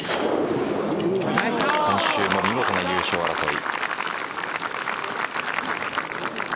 今週も見事な優勝争い。